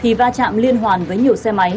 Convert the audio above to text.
thì va chạm liên hoàn với nhiều xe máy